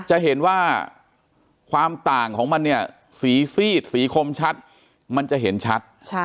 จะเห็นว่าความต่างของมันเนี่ยสีซีดสีคมชัดมันจะเห็นชัด